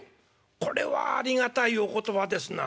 これはありがたいお言葉ですな。